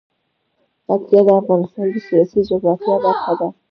پکتیا د افغانستان د سیاسي جغرافیه برخه ده.